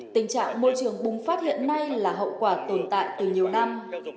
tình trạng môi trường bùng phát hiện nay là hậu quả tồn tại từ nhiều năm